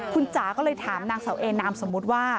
คุณจ๋าก็เลยถามนางเสาเอนามสมมุติว่า